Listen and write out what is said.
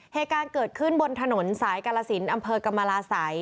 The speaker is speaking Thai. เหตุการณ์เกิดขึ้นบนถนนสายกาลสินอำเภอกรรมราศัย